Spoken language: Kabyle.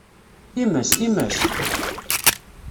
Times, times!